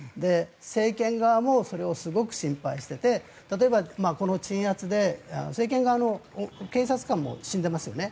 政権側もそれをすごく心配していて例えば、この鎮圧で政権側の警察官も死んでますよね。